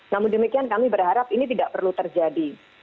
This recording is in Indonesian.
namun demikian kami berharap ini tidak perlu terjadi